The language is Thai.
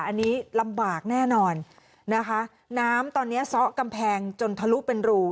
อันนี้ลำบากแน่นอนนะคะน้ำตอนนี้ซ้อกำแพงจนทะลุเป็นรู